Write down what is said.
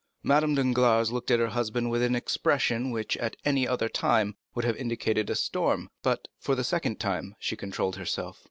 Madame Danglars looked at her husband with an expression which, at any other time, would have indicated a storm, but for the second time she controlled herself.